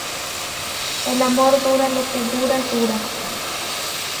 El amor dura lo que dura dura